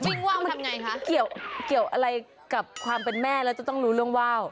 ว่าวมาทำไงคะเกี่ยวอะไรกับความเป็นแม่แล้วจะต้องรู้เรื่องว่าว